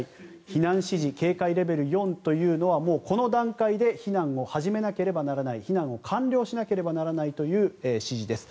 避難指示警戒レベル４というのはもうこの段階で避難を始めなければならない避難を完了しなければならないという指示です。